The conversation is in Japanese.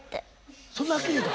そんなはっきり言うた？